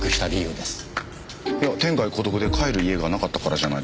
いや天涯孤独で帰る家がなかったからじゃないですか？